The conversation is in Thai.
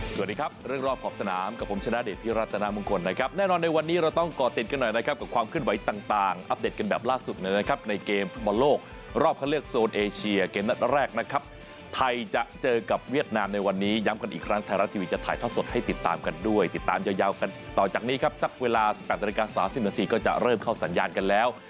สวัสดีครับเรื่องรอบขอบสนามกับผมชนะเดชน์ที่รัฐนามงคลนะครับแน่นอนในวันนี้เราต้องก่อเต็มกันหน่อยนะครับกับความขึ้นไหวต่างอัพเดทกันแบบล่าสุดหน่อยนะครับในเกมประมาณโลกรอบเขาเรียกโซนเอเชียเกมนั้นแรกนะครับไทยจะเจอกับเวียกนามในวันนี้ย้ำกันอีกครั้งไทยรัฐทีวีจะถ่ายเข้าสดให้ติดตาม